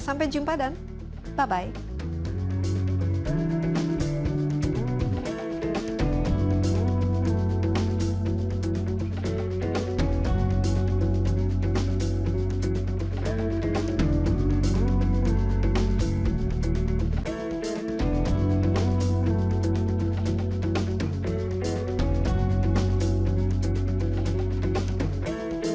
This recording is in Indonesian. sampai jumpa dan bye bye